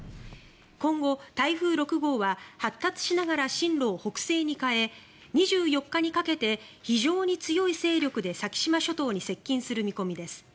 今後、台風６号は発達しながら進路を北西に変え２４日にかけて非常に強い勢力で先島諸島に接近する見込みです。